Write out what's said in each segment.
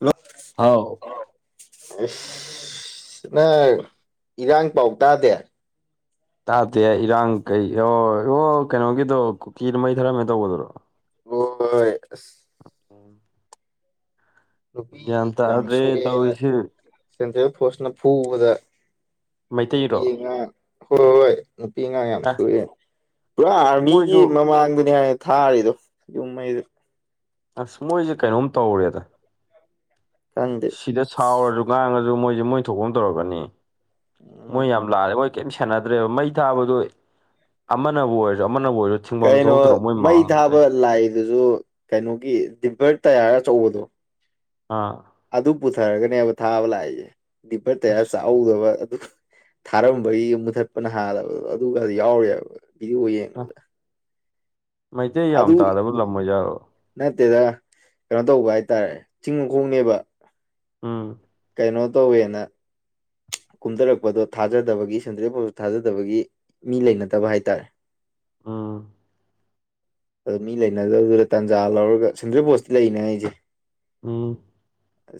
Hello ꯍꯥꯎ꯫ ꯑꯁ ꯅꯪ ꯏꯔꯥꯡ ꯄꯥꯎ ꯇꯥꯗꯦ꯫ ꯇꯥꯗꯦ ꯏꯔꯥꯡ ꯀꯩ ꯑꯣ ꯑꯣ ꯀꯩꯅꯣꯒꯤꯗꯣ ꯀꯨꯀꯤꯗꯨ ꯃꯩ ꯊꯥꯔꯝꯃꯦ ꯇꯧꯕꯒꯗꯔꯣ꯫ ꯍꯣꯏ [inaudible] ꯅꯨꯄꯤ ꯒ꯭ꯌꯥꯟ ꯌꯥꯝ ꯇꯥꯗ꯭ꯔꯦ ꯁꯣꯛꯑꯦꯅ ꯇꯧꯔꯤꯁꯤ ꯁꯦꯟꯇ꯭ꯔꯦꯜ ꯐꯣꯔꯁꯅ ꯐꯨꯕꯗ ꯅꯨꯄꯤ ꯃꯩꯇꯩꯔꯣ ꯑꯉꯥꯑꯡ ꯍꯣꯏ ꯍꯣꯏ ꯅꯨꯄꯤ ꯑꯉꯥꯡ ꯌꯥꯝ ꯑꯦ ꯁꯨꯔꯦ ꯄꯨꯔꯥ ꯑꯥꯔꯃꯤꯒꯤ ꯃꯣꯏꯁꯨ ꯃꯃꯥꯡꯗꯅꯤ ꯍꯥꯏ ꯊꯥꯔꯤꯗꯣ ꯌꯨꯝ ꯃꯩꯗꯨ ꯑꯁ ꯃꯣꯏꯁꯦ ꯀꯩꯅꯣꯝ ꯇꯧꯔꯦꯗ ꯈꯪꯗꯦ ꯁꯤꯗ ꯁꯥꯎꯔꯁꯨ ꯉꯥꯡꯉꯁꯨ ꯃꯣꯏꯁꯦ ꯃꯣꯏ ꯊꯣꯛꯐꯝ ꯇꯧꯔꯛꯀꯅꯤ ꯃꯣꯏ ꯎꯝ ꯌꯥꯝ ꯂꯥꯜꯂꯦ ꯃꯣꯏ ꯀꯩꯝ ꯁꯦꯟꯅꯗ꯭ꯔꯦꯕ ꯃꯩ ꯊꯥꯕꯗꯣ ꯑꯃꯅꯕꯨ ꯑꯣꯏꯔꯁꯨ ꯑꯃꯅꯕꯨ ꯑꯣꯏꯔꯁꯨ ꯊꯤꯡꯐꯝ ꯀꯩꯅꯣ ꯊꯣꯛꯇ꯭ꯔꯣ ꯃꯣꯏ ꯃꯩ ꯃꯃꯥꯡꯗ ꯊꯥꯕ ꯂꯩ ꯂꯥꯏꯗꯨꯁꯨ ꯀꯩꯅꯣꯒꯤ ꯗꯤꯚꯔ ꯇꯌꯥꯔꯒ ꯑꯆꯧꯕꯗꯣ ꯑꯥ ꯑꯗꯨ ꯄꯨꯊꯔꯒꯅꯦꯕ ꯊꯥꯕ ꯂꯥꯛꯏꯁꯦ ꯗꯤꯄꯔ ꯇꯌꯥꯔ ꯆꯥꯍꯧꯗꯕ ꯑꯗꯨ ꯊꯥꯔꯝꯕꯒꯤ ꯃꯨꯊꯠꯄꯅ ꯍꯥꯜꯂꯕꯗꯣ ꯑꯗꯨꯒ ꯌꯥꯎꯔꯦꯕ ꯚꯗꯤꯑꯣ ꯌꯦꯡ ꯃꯩꯇꯩ ꯌꯥꯝ ꯑꯗꯨ ꯇꯥꯗꯕ ꯂꯝ ꯑꯣꯏꯖꯠꯂꯣ ꯅꯠꯇꯦꯗ ꯀꯩꯅꯣ ꯇꯧꯕ ꯍꯥꯏꯇꯥꯔꯦ ꯆꯤꯡ ꯃꯈꯣꯡꯅꯦꯕ ꯎꯝ ꯀꯩꯅꯣ ꯇꯧꯋꯅ ꯀꯨꯝꯊꯔꯛꯄꯗꯣ ꯊꯥꯖꯗꯕꯒꯤ ꯁꯦꯟꯗ꯭ꯔꯦ ꯐꯣꯗ ꯊꯥꯖꯗꯕꯒꯤ ꯃꯤ ꯂꯩꯅꯗꯕ ꯍꯥꯏꯇꯥꯔꯦ꯫ ꯎꯝ ꯑꯗꯣ ꯃꯤ ꯂꯩꯅꯗꯕꯗꯨꯗ ꯇꯥꯟꯖꯥ ꯂꯧꯔꯒ ꯁꯟꯗ꯭ꯔꯔꯤ ꯕꯣꯁꯇꯤ ꯂꯩꯅꯦ ꯑꯩꯁꯦ ꯎꯝ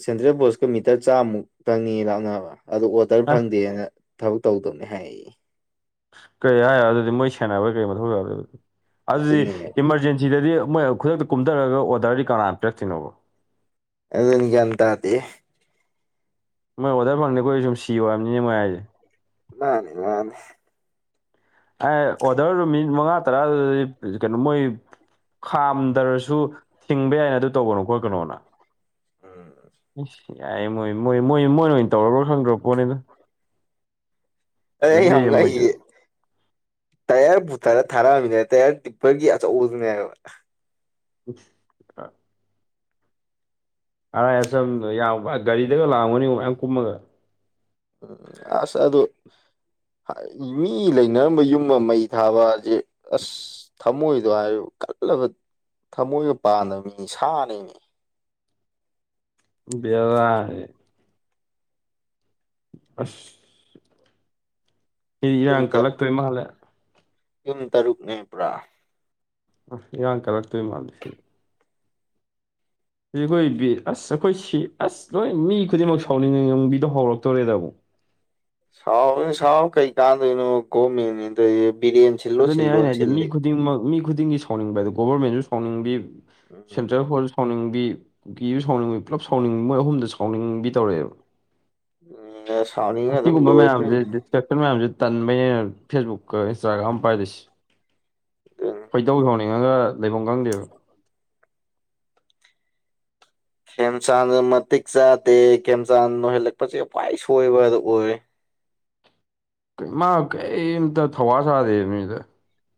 ꯁꯦꯟꯇ꯭ꯔꯦꯜ ꯕꯣꯁꯀ ꯃꯤꯇꯔ ꯆꯥꯝꯃꯨꯛ ꯐꯪꯅꯤ ꯂꯥꯛꯅꯕ ꯑꯗꯨ ꯑꯣꯇꯔ ꯑꯦ ꯐꯪꯗꯦꯅ ꯊꯕꯛ ꯇꯧꯗꯕꯅꯦ ꯍꯥꯏꯌꯦ꯫ ꯀꯔꯤ ꯍꯥꯏꯔ ꯑꯗꯨꯗꯤ ꯃꯣꯏ ꯁꯥꯟꯅꯕ ꯀꯔꯤ ꯃꯊꯧ ꯇ ꯑꯗꯨꯗꯤ ꯑꯗꯨꯅꯦ ꯏꯃꯥꯔꯖꯦꯟꯁꯤ꯫ ꯁꯤꯗꯗꯤ ꯃꯣꯏ ꯈꯨꯗꯛꯇ ꯀꯨꯝꯊꯔꯒ ꯑꯣꯔꯗꯔꯗꯤ ꯀꯅꯥ ꯄꯤꯔꯛꯇꯣꯏꯅꯣꯕ ꯑꯗꯨꯒꯤ ꯒꯌ꯭ꯥꯟ ꯇꯗꯤ꯫ ꯃꯣꯏ ꯑꯣꯔꯗꯔ ꯐꯪꯅꯤꯦꯈꯣꯏ ꯁꯨꯝ ꯁꯤ ꯌꯌ ꯍꯥꯏꯕꯅꯤꯅꯦ ꯃꯣꯏ ꯍꯥꯏꯁꯦ꯫ ꯃꯥꯅꯤ ꯃꯥꯅꯤ꯫ ꯑꯦ ꯑꯣꯗꯔ ꯃꯤꯅꯤꯠ ꯃꯉꯥ ꯇꯔꯥ ꯀꯩꯅꯣ ꯃꯣꯏ ꯈꯥꯝꯗꯔꯁꯨ ꯊꯤꯡꯕ ꯌꯥꯏꯅ ꯑꯗꯨ ꯇꯧꯕꯅꯨꯀꯣ ꯀꯩꯅꯣꯅ ꯎꯝ ꯏꯁ ꯌꯥꯏ ꯃꯣꯏ ꯃꯣꯏ ꯃꯣꯏ ꯃꯣꯏꯅ ꯑꯣꯏꯅ ꯇꯧꯔꯕ꯭ꯔꯣ ꯈꯪꯗ꯭ꯔꯕ ꯄꯣꯠꯅꯤꯗ ꯑꯩ ꯐꯖꯗꯦ ꯌꯥꯝ ꯃꯣꯏꯁꯨ ꯉꯥꯀꯦꯁꯦ꯫ ꯇꯌꯥꯔ ꯕꯨꯊꯔ ꯊꯥꯔꯛꯑꯝꯒꯦ ꯇꯌꯔ ꯇꯤꯞꯄꯔꯒꯤ ꯑꯆꯧꯕꯗꯨꯅꯦꯕ [unintelligible] ꯑꯔꯥꯏ ꯑꯆꯝ ꯌꯥꯝ ꯒꯥꯔꯤꯗꯒ ꯂꯥꯛꯝꯒꯅꯤ ꯃꯌꯥꯝ ꯀꯨꯝꯃꯒ꯫ [unintelligible] ꯑꯁ ꯑꯗꯨ [unintelligible] ꯃꯤ ꯂꯩꯅꯔꯝꯕ ꯌꯨꯝ ꯑꯃ ꯃꯩ ꯊꯥꯕꯖꯦ ꯑꯁ [unintelligible] ꯊꯃꯣꯏꯗꯣ ꯍꯥꯏꯌꯣ ꯀꯜꯂꯕ ꯊꯃꯣꯏꯒ ꯄꯥꯟꯗꯕ ꯃꯤ ꯁꯥꯅꯦꯃꯦ ꯕꯦꯔꯥꯅꯤ ꯑꯁ [unintelligible] ꯌꯨꯝ ꯏꯔꯥꯡ ꯀꯜꯂꯛꯇꯣꯏ ꯃꯥꯜꯂꯦ ꯌꯨꯝ ꯇꯔꯨꯛꯅꯦ ꯄꯨꯔꯥ ꯑ ꯏꯔꯥꯡ ꯀꯜꯂꯛꯇꯣꯏ ꯃꯥꯜꯂꯤ ꯁꯤꯗꯤ ꯁꯤ ꯑꯩꯈꯣꯏꯕꯤ ꯑꯁ ꯑꯩꯈꯣꯏ ꯁꯤ ꯑꯁ ꯂꯣꯏ ꯃꯤ ꯈꯨꯗꯤꯡꯃꯛ ꯁꯥꯎꯅꯤꯡꯕꯤꯗꯣ ꯍꯧꯔꯛꯇꯣꯔꯦꯗ ꯑꯃꯨꯛ ꯁꯥꯎꯔꯨꯅꯨ ꯁꯥꯎ ꯀꯩ ꯀꯥꯟꯗꯩꯅꯣ ꯒꯣꯔꯃꯦꯟ ꯅꯦꯅ ꯇꯧꯔꯤꯖꯦ ꯕꯤꯔꯦꯟ ꯁꯤꯜꯂꯣ ꯑꯗꯨꯅꯦ ꯑꯩꯅꯥ ꯁꯤꯜꯂꯣꯅ ꯍꯥꯏꯗꯤ ꯃꯤ ꯁꯤꯜꯂꯤ ꯈꯨ__ ꯈꯨꯗꯤꯡꯃꯛ ꯃꯤ ꯈꯨꯗꯤꯡꯒꯤ ꯁꯥꯎꯅꯤꯡꯕ ꯍꯥꯏꯗꯣ ꯒꯣꯕꯔꯃꯦꯟꯁꯨ ꯁꯥꯎꯅꯤꯡꯕꯤ ꯎꯝ ꯁꯦꯟꯇ꯭ꯔꯦꯜ ꯐꯣꯔ꯭ꯁ ꯁꯥꯎꯅꯤꯡꯕꯤ ꯀꯨꯀꯤꯁꯨ ꯁꯥꯎꯅꯤꯡꯕꯤ ꯄꯨꯂꯞ ꯁꯥꯎꯅꯤꯡ ꯃꯣꯏ ꯑꯍꯨꯝꯗ ꯁꯥꯎꯅꯤꯡꯕꯤ ꯇꯧꯔꯛꯑꯦꯕ [unintelligible] ꯁꯥꯎꯅꯤꯡꯉ ꯑꯗꯨꯝ ꯑꯁꯤꯒꯨꯝꯕ ꯃꯌꯥꯝꯖꯦ ꯂꯣꯏꯗꯣꯏꯅꯤ [unintelligible] ꯃꯌꯥꯝꯖꯦ ꯇꯟꯕꯩꯅꯦ ꯑꯩꯅ ꯐꯦꯁꯕꯨꯛꯀ ꯏꯟꯁꯇꯥꯒ꯭ꯔꯥꯝ ꯄꯥꯏꯗꯤꯁꯤ ꯑꯗꯨꯅꯤ ꯈꯣꯏꯗꯧ ꯁꯥꯎꯅꯤꯡꯉꯒ ꯂꯩꯐꯝ ꯈꯪꯗꯦꯕ [inaudible] ꯈꯦꯝꯆꯥꯟ ꯃꯇꯤꯛ ꯆꯥꯗꯦ ꯈꯦꯝꯆꯥꯟ ꯑꯣꯏꯍꯜꯂꯛꯄꯁꯦ ꯈ꯭ꯋꯥꯏ ꯁꯣꯏꯕꯗ ꯑꯣꯏꯔꯦ ꯃꯥ ꯀꯩꯝꯇ ꯊꯧꯋꯥ ꯁꯥꯗꯦꯕ ꯃꯤꯗ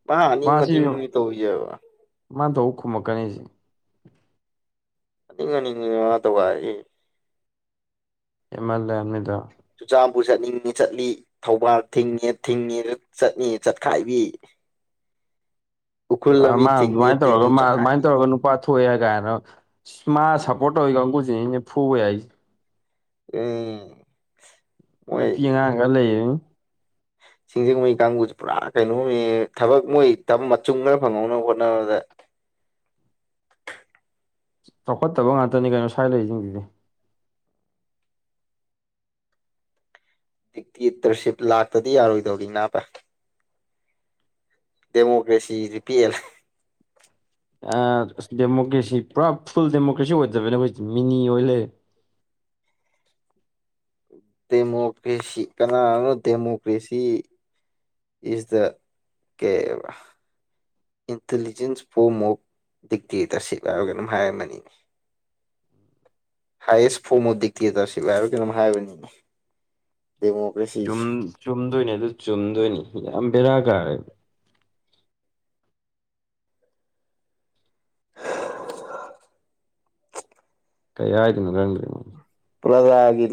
ꯃꯥ ꯑꯅꯤꯡ ꯃꯥꯁꯤ ꯑꯅꯤꯡꯕꯅꯦ ꯇꯧꯔꯤꯖꯦꯕ ꯃꯥꯅ ꯇꯧꯕ ꯈꯨꯝꯃꯛꯀꯅꯤ ꯑꯩꯖꯦ ꯑꯅꯤꯡ ꯑꯅꯤꯡꯕꯅꯦ ꯃꯥ ꯇꯧꯒꯥꯏꯔꯤꯖꯦ ꯍꯦꯜꯃꯜꯂꯦ ꯍꯥꯏꯅꯤꯗ ꯆꯨꯔꯆꯥꯟꯄꯨꯔ ꯆꯠꯅꯤꯡꯉꯤ ꯆꯠꯂꯤ ꯊꯧꯕꯥꯜ ꯊꯤꯡꯉꯦ ꯊꯤꯡꯉꯦ ꯆꯠꯅꯤ ꯆꯠꯈꯥꯏꯕꯤ ꯎꯈ꯭ꯔꯨꯜ ꯄꯨꯔꯥ ꯂꯝꯕꯤ ꯃꯥ ꯊꯤꯡꯉꯦ ꯑꯗꯨꯃꯥꯏꯅ ꯇꯧꯔꯒ ꯊꯤꯡꯉꯦ ꯃꯥ ꯑꯗꯨꯃꯥꯏꯅ ꯆꯠꯈꯥꯏꯕꯤ ꯇꯧꯔꯒ ꯅꯨꯄꯥ ꯊꯣꯛꯑꯦ ꯒꯥꯏꯅ ꯃꯥ ꯁꯞꯄꯣꯔꯠ ꯇꯧꯋꯤ ꯀꯥꯡꯕꯨꯨꯖꯤꯅꯤ ꯐꯨꯕ ꯌꯥꯏꯖꯦ ꯎꯝ ꯃꯣꯏ ꯅꯨꯄꯤ ꯑꯉꯥꯡ ꯈꯔ ꯂꯩꯌꯦ ꯁꯤꯡꯖꯃꯩ ꯀꯥꯡꯕꯨꯖꯦ ꯄꯨꯔꯥ ꯀꯩꯅꯣꯝꯅꯦ ꯊꯕꯛ ꯃꯣꯏ ꯃꯆꯨꯝ ꯈꯔ ꯐꯪꯍꯧꯅꯕ ꯍꯣꯠꯅꯕꯗ ꯆꯥꯎꯈꯠꯇꯕ ꯉꯥꯛꯇꯅꯤ ꯀꯩꯅꯣ ꯁ꯭ꯋꯥꯏ ꯂꯩꯔꯤꯁꯤꯡꯁꯤꯗꯤ ꯗꯤꯛꯇꯦꯇ꯭ꯔꯁꯤꯞ ꯂꯥꯛꯇꯗꯤ ꯌꯥꯔꯣꯏꯗꯧꯔꯤ ꯅꯥꯕ ꯗꯦꯃꯣꯀ꯭ꯔꯦꯁꯤ ꯖꯤꯗꯤ ꯄꯦꯜꯂꯦ ꯗꯦꯃꯣꯀ꯭ꯔꯦꯁꯤ ꯄꯨꯔꯥ ꯐꯨꯜ ꯗꯦꯃꯣꯀ꯭ꯔꯦꯁꯤ ꯑꯣꯏꯗꯕꯅꯦ ꯑꯩꯈꯣꯏ ꯃꯤꯅꯤ ꯑꯣꯏ ꯂꯩꯔꯦ ꯗꯦꯃꯣꯀ꯭ꯔꯦꯁꯤ ꯀꯅꯥꯅꯅꯣ ꯗꯦꯃꯣꯀ꯭ꯔꯦꯁꯤ ꯏꯁ ꯗ ꯀꯩ ꯑꯕ ꯏꯟꯇꯂꯤꯖꯦꯟꯁ ꯐꯣꯃ ꯑꯣꯐ ꯗꯤꯛꯇꯦꯇꯔꯁꯤꯞ ꯍꯥꯏꯕ ꯀꯩꯅꯣꯝ ꯍꯥꯏꯔꯝꯃꯅꯤ ꯍꯥꯏꯌꯦꯁ ꯐꯣꯔꯝ ꯑꯣꯐ ꯗꯤꯛꯇꯦꯇꯔꯁꯤꯞ ꯍꯥꯏꯔ ꯀꯩꯅꯣꯝ ꯍꯥꯏꯕꯅꯤ ꯗꯦꯃꯣꯀ꯭ꯔꯦꯁ ꯆꯨꯝꯗꯣꯏꯅꯤ ꯑꯗꯨ ꯆꯨꯝꯗꯣꯏꯅꯤ ꯌꯥꯝ ꯕꯦꯔꯥ ꯀꯥꯔꯦ ꯀꯩ ꯍꯥꯏꯗꯅꯣ ꯈꯪꯗ꯭ꯔꯦꯕ ꯄ꯭ꯔꯖꯥꯒꯤ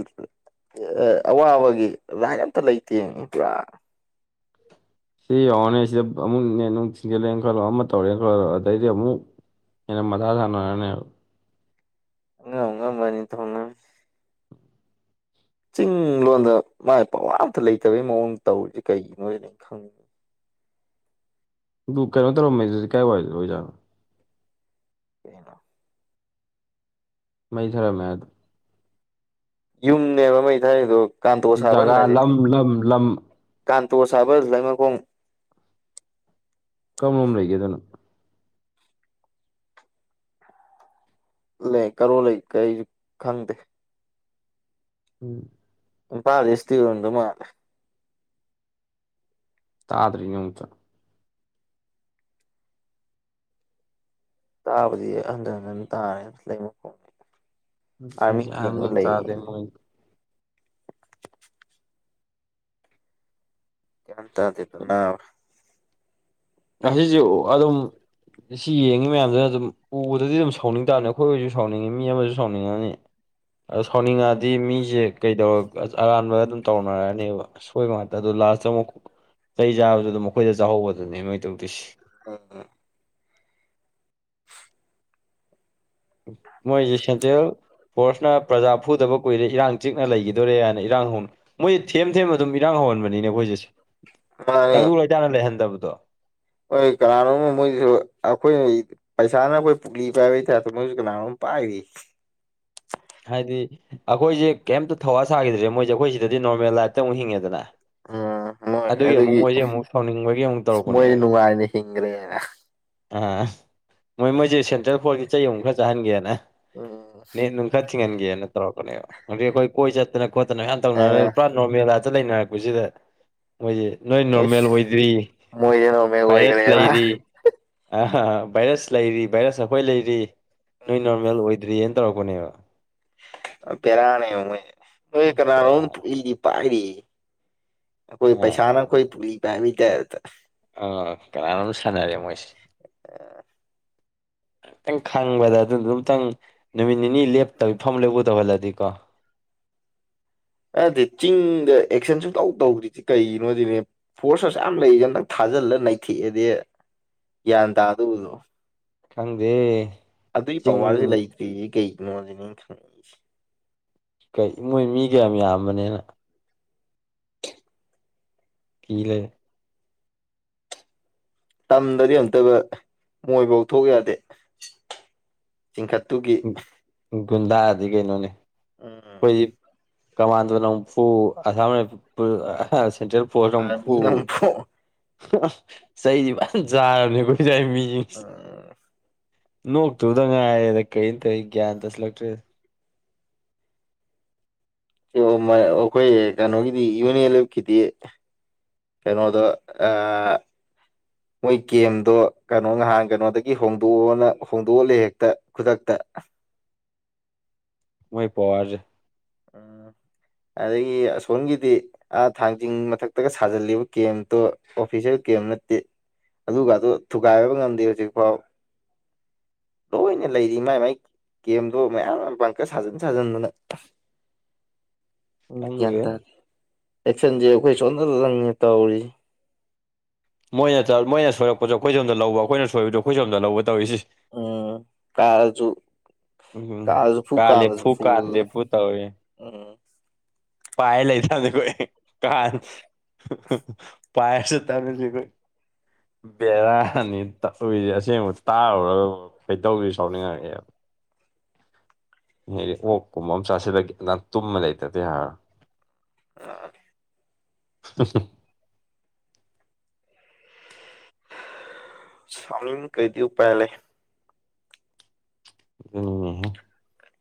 ꯑ ꯑꯋꯥꯕꯒꯤ ꯔꯥꯏꯠ ꯑꯝꯇ ꯂꯩꯇꯦꯃ ꯄꯨꯔꯥ ꯁꯤ ꯌꯦꯡꯉꯣ ꯅꯦ ꯁꯤꯗ ꯑꯃꯨꯛ ꯅꯦꯠ ꯑꯃꯨꯛ ꯊꯤꯡꯖꯤꯜꯂꯦꯅ ꯈꯜꯂꯣ ꯑꯃ ꯇꯧꯔꯦꯅ ꯈꯜꯂꯣ ꯑꯗꯩꯗꯤ ꯑꯃꯨꯛ ꯍꯦꯟꯅ ꯃꯊꯥ ꯁꯥꯅꯔꯅꯦꯕ [unintelligible] ꯆꯤꯡ ꯂꯣꯟꯗ ꯃꯥꯏ ꯄꯋꯥꯔ ꯑꯝꯇ ꯂꯩꯇꯕꯒꯤ ꯃꯑꯣꯡ ꯇꯧꯔꯤꯁꯦ ꯀꯩꯒꯤꯅꯣꯗꯅ ꯑꯩꯅ ꯈꯪꯅꯤꯡ ꯑꯗꯨ ꯀꯩꯅꯣ ꯇꯧꯔꯝꯃꯦꯗꯨꯗꯤ ꯀꯥꯏ ꯋꯥꯏꯗ ꯑꯣꯏꯖꯥꯠꯅꯣ ꯀꯩꯅꯣ ꯃꯩ ꯊꯥꯔꯝꯃꯦ ꯍꯥꯏ ꯌꯨꯨꯝꯅꯦꯕ ꯃꯩ ꯊꯥꯏꯗꯦ ꯀꯥꯟꯇꯦ ꯁꯥꯕꯟ ꯖꯒꯥ ꯍꯥꯢꯁꯦ ꯂꯝ ꯂꯝ ꯂꯝ ꯀꯥꯟꯇꯣ ꯁꯥꯕꯟ ꯂꯩꯥꯃꯈꯣꯡ ꯀꯔꯣꯝ ꯂꯩꯒꯦ ꯑꯗꯨꯅ ꯑꯗꯨꯅꯦ ꯀꯔꯣꯝ ꯂꯩ ꯀꯩ ꯈꯪꯗꯦ ꯎꯝ ꯏꯝꯐꯥꯜ ꯏꯁꯇꯤ ꯑꯣꯏꯔꯝꯗꯎ ꯃꯥꯜꯂꯦ ꯇꯥꯗ꯭ꯔꯤꯅꯦ ꯑꯃꯨꯛꯇ ꯇꯥꯕꯗꯤ ꯍꯟꯖꯤꯟ ꯍꯟꯖꯤꯟ ꯇꯥꯔꯦ ꯂꯩꯃꯈꯣꯡ ꯑꯥꯔꯃꯤ ꯒ꯭ꯌꯥꯟ ꯒꯦꯝꯗ ꯃꯦꯟ ꯇꯥꯗꯦ ꯂꯩꯅ ꯃꯣꯏ ꯒ꯭ꯌꯥꯟ ꯇꯥꯗꯦꯗ ꯅꯥꯕ ꯑꯁꯤꯁꯨ ꯑꯗꯨꯝ ꯁꯤ ꯌꯦꯡꯉꯤ ꯃꯌꯥꯝꯁꯤꯅ ꯑꯗꯨꯝ ꯎꯕꯗꯗꯤ ꯑꯗꯨꯝ ꯁꯥꯎꯅꯤꯡ ꯇꯥꯔꯅꯤ ꯑꯩꯈꯣꯏꯣꯏꯁꯨ ꯁꯥꯎꯅꯤꯡꯉꯤ ꯃꯤ ꯑꯃꯁꯨ ꯁꯥꯎꯅꯤꯡꯉꯅꯤ ꯑꯗ ꯁꯥꯎꯅꯤꯡꯉꯥꯗꯤ ꯃꯤꯁꯦ ꯀꯩꯗꯧꯔ ꯑꯔꯥꯟꯕ ꯑꯗꯨꯝ ꯇꯧꯅꯔꯛꯑꯅꯦꯕ ꯁꯣꯏꯕ ꯉꯥꯛꯇ ꯑꯗꯣ ꯂꯥꯁꯇ ꯑꯃꯨꯛ ꯆꯩ ꯆꯥꯕꯁꯨ ꯑꯗꯨꯝ ꯃꯈꯣꯏꯗ ꯆꯥꯍꯧꯕꯗꯨꯅꯦ ꯃꯣꯏ ꯇꯧꯗꯣꯏꯁꯤ꯫ ꯑꯣ [inaudible] ꯃꯣꯏꯖꯦ ꯁꯦꯟꯇꯔꯦꯟ ꯏꯁꯄꯣꯔꯠꯁꯅ ꯄ꯭ꯔꯖꯥ ꯐꯨꯗꯕ ꯀꯨꯏꯔꯦ ꯏꯔꯥꯡ ꯆꯤꯛꯅ ꯂꯩꯈꯤꯗꯣꯔꯦ ꯍꯥꯏꯅ ꯏꯔꯥꯡ ꯍꯧꯅ__ ꯃꯣꯏꯁꯦ ꯊꯦꯝ ꯊꯦꯝ ꯑꯗꯨꯝ ꯏꯔꯥꯡ ꯍꯧꯍꯟꯕꯅꯤꯅꯦ ꯑꯩꯈꯣꯏꯁꯦ ꯃꯥꯅꯦ ꯇꯪꯗꯨ ꯂꯩꯇꯥꯅ ꯂꯩꯍꯟꯗꯕꯗꯣ ꯍꯣꯏ ꯀꯅꯥꯅꯣꯝꯅ ꯃꯣꯏꯁꯨ ꯑꯩꯈꯣꯏꯅ ꯄꯩꯁꯥꯅ ꯑꯈꯣꯏ ꯄꯨꯛꯂꯤ ꯄꯥꯏꯕꯩ ꯇꯥꯏꯞꯇ ꯃꯣꯏꯖꯨ ꯀꯅꯥꯅꯣꯝ ꯄꯥꯏꯔꯤ ꯍꯥꯏꯗꯤ ꯑꯩꯈꯣꯏꯁꯦ ꯀꯩꯝꯇ ꯊꯋꯥ ꯁꯥꯈꯤꯗ꯭ꯔꯦ ꯃꯣꯏꯁꯦ ꯑꯩꯈꯣꯏ ꯁꯤꯗꯗꯤ ꯅꯣꯔꯃꯦꯜ ꯂꯥꯏꯐꯇ ꯑꯃꯨꯛ ꯍꯤꯡꯉꯦꯗꯅ ꯎꯝ ꯃꯣꯏ ꯑꯗꯨꯒꯤ ꯑꯃꯨꯛ ꯃꯣꯏꯁꯦ ꯑꯃꯨꯛ ꯁꯥꯎꯅꯤꯡꯕꯒꯤ ꯑꯃꯨꯛ ꯃꯣꯏ ꯇꯧꯔꯛꯄꯅꯦꯕ ꯅꯨꯡꯉꯥꯏꯅ ꯍꯤꯡꯈ꯭ꯔꯦꯅ ꯑꯥ ꯃꯣꯏ ꯃꯣꯏꯁꯦ ꯁꯦꯟꯇ꯭ꯔꯦꯜ ꯐꯣꯔꯒꯤ ꯆꯍꯤ ꯑꯨꯨꯝꯛ ꯈꯔ ꯆꯥꯍꯟꯒꯦꯅ ꯎꯝ ꯀꯥꯠ ꯊꯤꯡꯍꯟꯒꯦꯅ ꯇꯧꯔꯛꯄꯅꯦꯕ ꯍꯧꯪꯛ ꯑꯩꯈꯣꯏ ꯀꯣꯏ ꯆꯠꯇꯅ ꯈꯣꯠꯇꯅ ꯃꯌꯥꯝ ꯑ ꯇꯧꯅꯔ ꯄꯨꯔꯥ ꯅꯣꯔꯃꯦꯂꯥꯇ ꯂꯩꯅꯔꯛꯄꯁꯤꯗ꯫ ꯃꯣꯏꯁꯦ ꯅꯣꯏ ꯅꯣꯔꯃꯦꯜ ꯏꯁ ꯑꯣꯏꯗ꯭ꯔꯤ ꯃꯣꯏꯁꯦ ꯅꯣꯔꯃꯦꯜ ꯚꯥꯏꯔꯁ ꯑꯣꯏꯈ꯭ꯔꯦꯅ ꯂꯩꯔꯤ ꯑ ꯚꯥꯏꯔꯁ ꯂꯩꯔꯤ ꯚꯥꯏꯔꯁ ꯑꯩꯈꯣꯏ ꯂꯩꯔꯤ ꯅꯣꯏ ꯅꯣꯔꯃꯦꯜ ꯑꯣꯏ ꯗ꯭ꯔꯦꯟꯅ ꯇꯧꯔꯛꯄꯅꯦꯕ ꯄꯦꯔꯥꯅꯦꯕ ꯃꯣꯢꯁꯦ ꯀꯅꯥꯅꯣꯝ ꯕꯦꯔꯥ ꯄꯨꯛꯂꯤꯁꯤ ꯄꯥꯏꯔꯤꯌꯦ ꯑꯩꯈꯣꯏ ꯑꯥ ꯄꯩꯁꯥꯅ ꯀꯅꯥꯅꯣ ꯈꯣꯏ ꯄꯨꯛꯂꯤ ꯕꯥꯢꯕꯩ ꯇꯥꯞꯇ ꯑ ꯑꯥ ꯀꯅꯥꯅꯣꯝ ꯁꯥꯟꯅꯔꯦ ꯃꯣꯏꯁꯦ [inaudible] ꯑꯝꯇꯪ ꯈꯪꯕꯗ ꯑꯗꯨꯅ ꯑꯃꯝꯇꯪ ꯅꯨꯃꯤꯠ ꯅꯤꯅꯤ ꯂꯦꯞꯇꯕꯤ ꯐꯝꯃꯨ ꯂꯦꯞꯄꯨ ꯇꯧꯍꯜꯂꯗꯤꯀꯣ ꯑꯗ ꯆꯤꯡꯗ ꯑꯦꯛꯁꯟ ꯁꯨꯝ ꯇꯧ ꯇꯧꯗ꯭ꯔꯤꯁꯤ ꯀꯩꯒꯤꯅꯣ ꯁꯤꯅꯦ ꯐꯣꯔꯁ ꯑꯁꯨꯛꯌꯥꯝ ꯂꯩꯔꯤꯗ ꯑꯝꯇꯪ ꯊꯥꯖꯤꯜꯂ ꯅꯩꯊꯦꯛꯑꯦꯗꯤ ꯒ꯭ꯌꯥꯟ ꯇꯥꯗꯧꯗꯣ ꯈꯪꯗꯦ ꯑꯗꯨꯒꯤ ꯆꯤꯡ ꯄꯋꯥꯔꯁꯦ ꯂꯩꯇ꯭ꯔꯤꯁꯦ ꯀꯩꯒꯤꯅꯣꯁꯤꯅꯦ ꯑꯩꯅ ꯈꯪꯅꯤꯡꯉꯤꯁꯦ ꯀꯩ ꯃꯣꯏ ꯃꯤ ꯀꯌꯥꯝ ꯌꯥꯝꯕꯅꯤꯅ ꯀꯤꯂꯩꯔꯦ ꯇꯝꯗꯗꯤ ꯑꯝꯇꯕ ꯃꯣꯏꯐꯥꯎ ꯊꯣꯛ ꯌꯥꯗꯦ ꯆꯤꯡꯈꯠꯇꯨꯒꯤ ꯒꯨꯟꯗꯥꯗꯤ ꯀꯩꯅꯣꯅꯤ ꯎꯝ ꯑꯩꯈꯣꯏ ꯀꯃꯥꯟꯗꯣꯅ ꯑꯃꯨꯛ ꯐꯨ ꯑꯁꯥꯝ ꯔꯥꯏꯐꯜ ꯁꯦꯟꯇ꯭ꯔꯦꯜ ꯄꯣꯁꯔꯅ ꯑꯃꯨꯛ ꯐꯨ ꯑꯥꯔꯃꯤꯅ ꯑꯃꯨꯛꯐꯥꯎ ꯆꯩꯗꯤ ꯐꯖꯅ ꯆꯥꯔꯕꯅꯦ ꯑꯩꯈꯣꯏꯁꯥꯏ ꯃꯤꯁꯤꯡꯁꯦ ꯅꯣꯛꯇꯧꯗ ꯉꯥꯏꯔꯦꯗ ꯀꯔꯤꯅꯣ ꯇꯧꯔꯤꯁꯦ ꯒ꯭ꯌꯥꯟ ꯇꯥꯁꯤꯂꯛꯇ꯭ꯔꯦ [unintelligible] ꯑꯩꯈꯣꯏ ꯀꯩꯅꯣꯒꯤꯗꯤ ꯌꯨ ꯑꯦꯟ ꯑꯦꯜ ꯑꯦꯐꯀꯤꯗꯤ ꯀꯩꯅꯣꯗꯥ ꯑꯥ__ ꯃꯣꯏ ꯀꯒꯦꯝꯗꯣ ꯀꯩꯅꯣ ꯅꯍꯥꯟ ꯀꯩꯅꯣꯗꯒꯤ ꯍꯣꯡꯗꯣꯛꯑꯣꯅ ꯍꯣꯡꯗꯣꯛꯍꯂ ꯍꯦꯛꯇ ꯈꯨꯗꯛꯇ ꯃꯣꯏ ꯄꯋꯥꯔ ꯁꯦ ꯎꯝ ꯑꯗꯒꯤ ꯑꯁꯣꯝꯒꯤꯗꯤ__ ꯑꯥ ꯊꯥꯡꯖꯤꯡ ꯃꯊꯛꯇꯒ ꯁꯥꯖꯤꯜꯂꯤꯕ ꯀꯦꯝꯇꯣ ꯑꯣꯐꯤꯁꯦꯜ ꯀꯦꯝ ꯅꯠꯇꯦ ꯑꯗꯨꯒ ꯑꯗꯨ ꯊꯨꯒꯥꯏꯕ ꯉꯝꯗꯦ ꯍꯧꯖꯤꯛꯐꯥꯎ ꯂꯣꯏꯅ ꯂꯩꯔꯤ ꯃꯥꯏ ꯃꯥꯏ ꯀꯒꯦꯝꯗꯣ ꯃꯌꯥꯝ ꯄꯥꯡꯀ ꯁꯥꯖꯤꯟ ꯁꯥꯖꯤꯟꯗꯅ ꯒ꯭ꯌꯥꯟ ꯈꯪꯗ꯭ꯔꯦ ꯇꯥꯗꯦ ꯑꯦꯛꯁꯟꯁꯦ ꯑꯩꯈꯣꯏ ꯁꯣꯟꯗꯗꯪꯅꯤ ꯇꯧꯔꯤꯖꯦ ꯃꯣꯏꯅ ꯆ ꯃꯣꯏꯅ ꯁꯣꯏꯔꯛꯄꯁꯨ ꯑꯩꯈꯣꯏ ꯁꯣꯝꯗ ꯂꯧꯕ ꯑꯩꯈꯣꯏꯅ ꯁꯣꯏꯕꯗꯁꯨ ꯑꯩꯈꯣꯏ ꯁꯣꯝꯗ ꯂꯧꯕ ꯇꯧꯔꯤꯁꯤ ꯎꯝ ꯀꯥꯔꯁꯨ ꯎꯝ ꯀꯥꯔꯁꯨ ꯐꯨ ꯀꯜꯂꯦ ꯀꯥꯟꯗꯁꯨ ꯐꯨ ꯀꯟꯗꯦ ꯐꯨꯗꯅ ꯐꯨ ꯇꯧꯔꯤꯖꯦ ꯎꯝ ꯄꯥꯏ ꯂꯩꯇꯥꯅꯤ ꯑꯩꯈꯣꯏ ꯀꯜ ꯄꯥꯏꯔ ꯆꯠꯇꯥꯝꯅꯤ ꯑꯩꯈꯣꯏ ꯕꯦꯔꯥꯅꯤ ꯇꯧꯔꯤꯁꯦ ꯑꯁꯦꯡꯕ ꯇꯥꯔꯨꯔꯒꯀꯣ ꯈꯣꯏꯗꯧꯁꯦ ꯁꯥꯎꯅꯤꯡꯉꯛꯑꯦꯕ ꯗꯤ ꯑꯣꯛꯀꯨꯝꯕ ꯑꯃ ꯆꯥꯁꯤꯜꯂꯒꯦ ꯒ꯭ꯌꯥꯟ ꯇꯥꯅ ꯇꯨꯝꯃ ꯂꯩꯇꯔꯗꯤ ꯌꯥꯔꯔꯣꯏ [unintelligible] [unintelligible] ꯁꯧꯅꯤꯡꯏ ꯀꯩꯗꯤ ꯄꯥꯏ ꯂꯩ ꯑꯗꯨꯅꯤꯅꯦꯍꯦ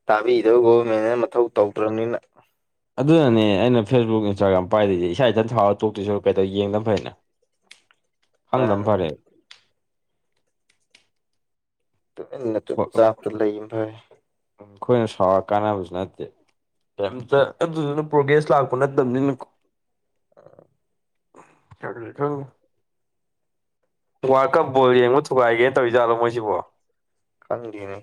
ꯇꯥꯕꯤꯗꯧ ꯒꯣꯕꯔꯃꯦꯟꯅ ꯃꯊꯧ ꯇꯧꯗ꯭ꯔꯕꯅꯤꯅ ꯑꯗꯨꯅꯅꯦ ꯑꯩꯅ ꯐꯦꯁꯕꯨꯛ ꯏꯟꯁꯇꯥꯒ꯭ꯔꯥꯝ ꯄꯥꯏꯗꯤꯖꯦ ꯏꯁꯥ ꯏꯊꯟ ꯁꯥꯎꯔ ꯇꯣꯛꯇꯨꯏ ꯁꯔꯨꯛ ꯀꯩꯇꯧ ꯌꯦꯡꯗꯕꯅ ꯐꯩꯅ [inaudible] ꯈꯪꯗꯕꯅ ꯑꯥ ꯐꯔꯦ ꯇꯨꯃꯤꯟꯅ ꯆꯨꯞ ꯆꯥꯞꯇ ꯂꯩ ꯐꯔꯦ ꯑꯩꯈꯣꯏꯅ ꯁꯥꯎꯔꯒ ꯀꯥꯟꯅꯕꯁꯨ ꯅꯠꯇꯦ ꯀꯩꯑꯝꯇ ꯑꯗꯨꯗꯨꯅ ꯄ꯭ꯔꯣꯒ꯭ꯔꯦꯁ ꯂꯥꯛꯄ ꯅꯠꯇꯕꯅꯤꯅꯀꯣ [unintelligible] ꯋꯥꯔꯜ ꯀꯞ ꯕꯜ ꯌꯦꯡꯕ ꯊꯨꯒꯥꯏꯒꯦ ꯇꯧꯔꯤꯖꯠꯂꯣ ꯃꯣꯏꯁꯤꯕꯣ ꯈꯪꯗꯦꯅꯦ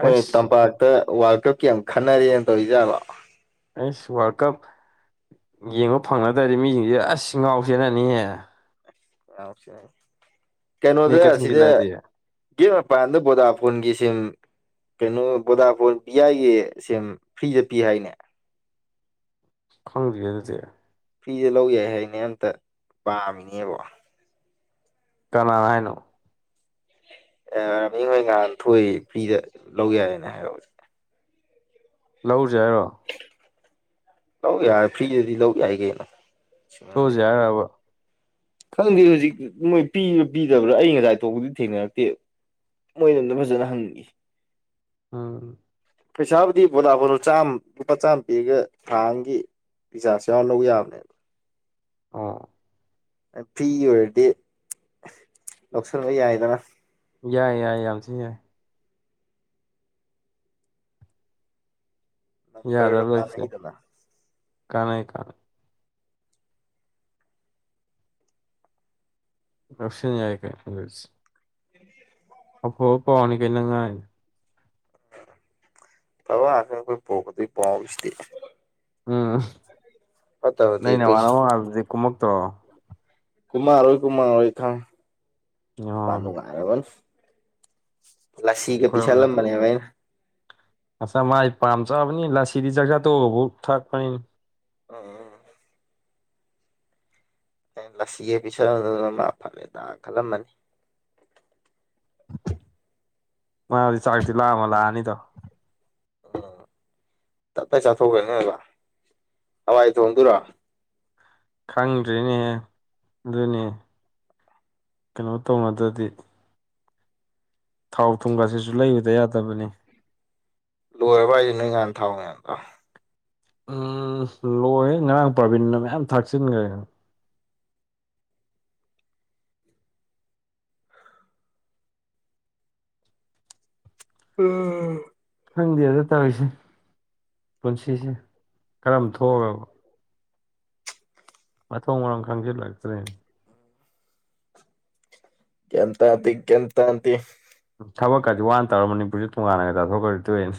ꯃꯣꯏ ꯇꯝꯄꯥꯛꯇ ꯋꯥꯔꯜ ꯀꯞꯀꯤ ꯌꯥꯝ ꯈꯟꯅꯔꯦꯅ ꯇꯧꯔꯤꯖꯥꯠꯔꯣ ꯑꯩꯁ ꯋꯥꯔꯜ ꯀꯞ ꯌꯦꯡꯕ ꯐꯪꯅꯗꯦ ꯃꯤꯁꯤꯡꯁꯦ ꯑꯁ ꯉꯥꯎꯆꯦꯅꯅꯤꯍꯦ ꯀꯩꯅꯣꯗ ꯅꯦꯠꯀ ꯑꯁꯤꯗꯤ ꯊꯤꯡꯖꯤꯜꯂꯛꯑꯗꯤ ꯒꯦꯠ ꯃꯄꯥꯟꯗ ꯕꯣꯗꯥ ꯐꯣꯟꯒꯤ ꯁꯤꯝ ꯀꯩꯅꯣ ꯕꯣꯗꯥꯐꯣꯟ ꯚ ꯑꯥꯏꯒꯤ ꯁꯦꯝ ꯐ꯭ꯔꯤꯗ ꯄꯤ ꯍꯥꯏꯅꯦ ꯈꯪꯗꯤꯌꯦ ꯑꯗꯨꯗꯤ ꯐ꯭ꯔꯤꯗ ꯂꯧ ꯌꯥꯏ ꯍꯥꯏꯅꯦ ꯑꯝꯇ ꯄꯥꯝꯃꯤꯅꯦꯕꯣ ꯀꯅꯥꯅ ꯍꯥꯏꯅꯣ [unintelligible] ꯉꯥꯟꯊꯣꯏ ꯐ꯭ꯔꯤꯗ ꯂꯧ ꯌꯥꯏꯅ ꯍꯥꯏꯌꯧꯏꯗ ꯂꯧꯖꯦ ꯍꯥꯏꯔꯣ ꯂꯧ ꯌꯥꯏ ꯐ꯭ꯔꯤꯗꯗꯤ ꯂꯧ ꯌꯥꯏ ꯀꯩꯅꯣ ꯊꯣꯛꯎꯁꯦ ꯍꯥꯏꯔꯕ [unintelligible] ꯈꯪꯗꯦ ꯍꯧꯖꯤꯛꯤ ꯃꯣꯏ ꯄꯤꯔꯥ ꯄꯤꯗꯕ꯭ꯔꯥ ꯑꯩ ꯉꯁꯥꯏ ꯇꯧꯕꯗꯤ ꯊꯦꯡꯅꯔꯛꯇꯦ ꯃꯣꯏꯗ ꯑꯝꯇ ꯐꯖꯅ ꯍꯪꯒꯦ ꯎꯝ ꯄꯩꯁꯥꯕꯨꯗꯤ ꯕꯣꯗ ꯐꯣꯟꯗꯨ ꯆꯥꯝꯃ ꯂꯨꯄꯥ ꯆꯥꯝꯃ ꯄꯤꯔꯒ ꯊꯥꯑꯝꯒꯤ ꯔꯤꯖꯥꯁꯨ ꯌꯥꯎꯔ ꯂꯧꯕ ꯌꯥꯕꯅꯦꯕ ꯑꯣ ꯐ꯭ꯔꯤꯏ ꯑꯣꯏꯔꯗꯤ ꯂꯧꯁꯤꯟꯕ ꯌꯥꯏꯗꯅ ꯌꯥꯏ ꯌꯥꯏꯌꯦ ꯌꯥꯝ ꯊꯤꯏ ꯌꯥꯏ ꯅꯝꯕꯔꯗꯣ ꯌꯥꯗꯕ ꯂꯩꯇꯦ ꯀꯥꯟꯅꯩꯗꯅ ꯀꯅꯩ ꯀꯅꯩ [unintelligible] [inaudible] ꯑꯐꯕꯥ ꯄꯥꯎꯅ ꯀꯩꯅꯣ ꯅꯪ ꯉꯥꯡꯏꯗꯦ ꯑꯐꯕ ꯉꯛꯇꯅꯤ ꯑꯩꯈꯣꯏ ꯄꯨꯔꯛꯗꯣꯏꯕ ꯄꯥꯎꯁꯤꯗꯤ ꯎꯝ ꯐꯠꯇꯕꯗꯤ ꯅꯣꯏ ꯑꯩꯈꯣꯏ ꯅꯥꯃꯟꯅꯕ ꯃꯉꯥꯜ ꯗꯨꯗꯤ ꯀꯨꯝꯃꯛꯇ꯭ꯔꯣ꯫ ꯀꯨꯝꯃꯔꯣꯏ ꯀꯨꯝꯃꯔꯣꯏ ꯈꯪ ꯄ ꯑꯣ ꯅꯨꯡꯉꯥꯏꯔꯕꯅꯤ ꯂꯁꯤꯒ ꯄꯤꯁꯜꯂꯝꯕꯅꯦꯕ ꯑꯩꯅ ꯉꯁꯥ ꯃꯥꯥꯏ ꯄꯥꯝ ꯆꯕꯅꯤ ꯂꯁꯤꯗꯤ ꯖꯖꯥ ꯇꯣꯕꯐꯥꯎ ꯊꯛꯄꯅꯤ ꯑꯥ ꯑꯩꯅ ꯂꯁꯤꯒ ꯄꯤꯁꯗꯨꯅ ꯃꯥ ꯐꯠꯂꯦ ꯈꯜꯂꯝꯃꯅꯤ ꯃꯥꯗꯤ ꯆꯥꯛꯇꯤ ꯂꯥꯝꯃꯥ ꯂꯥꯛꯑꯅꯤꯗꯣ ꯎꯝ ꯇꯞꯇꯥꯏ ꯆꯥꯊꯣꯛꯑꯥ ꯍꯋꯥꯏ ꯊꯣꯡꯗꯨꯔꯣ ꯈꯪꯗ꯭ꯔꯦꯅꯦꯍꯦ ꯑꯗꯨꯅꯦ ꯀꯩꯅꯣ ꯇꯧꯅꯗ꯭ꯔꯗꯤ ꯊꯥꯎ ꯊꯨꯝꯒꯁꯤꯁꯨ ꯂꯩꯕꯗ ꯌꯥꯗꯕꯅꯤ ꯂꯣꯏꯔꯕ ꯑꯩꯁꯦ ꯅꯣꯏ ꯉꯥꯟ ꯊꯥꯎꯉꯦ ꯑꯗꯣ ꯎꯝ ꯂꯣꯏ ꯉꯔꯥꯡ ꯄ꯭ꯔꯥꯕꯤꯟꯗ ꯃꯌꯥꯝ ꯊꯥꯛꯆꯤꯟꯈ꯭ꯔꯦꯒꯅ꯫ [unintelligible] ꯈꯪꯗꯦ ꯑꯗ ꯇꯧꯔꯤꯁꯦ ꯄꯨꯟꯁꯤꯁꯦ ꯀꯔꯝ ꯊꯣꯛꯑꯕ ꯃꯊꯣꯡ ꯃꯔꯥꯡ ꯈꯪꯁꯤꯜꯂꯛꯇ꯭ꯔꯦ ꯒꯤꯌꯥꯟꯇꯗꯦ ꯒꯤꯌꯥꯟꯇꯗꯦ ꯊꯕꯛꯀꯁꯨ ꯋꯥꯅ ꯇꯧꯔꯒ ꯃꯅꯤꯄꯨꯔꯁꯨ ꯇꯣꯉꯥꯟꯅꯒ ꯆꯥꯊꯣꯛꯈ꯭ꯔ ꯇꯣꯏꯅꯦ